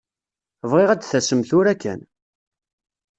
Bɣiɣ ad d-tasem tura kan.